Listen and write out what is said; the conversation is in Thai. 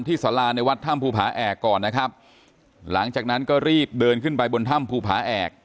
สาราในวัดถ้ำภูผาแอกก่อนนะครับหลังจากนั้นก็รีบเดินขึ้นไปบนถ้ำภูผาแอก